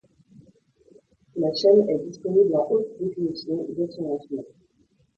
La chaîne est disponible en haute définition dès son lancement.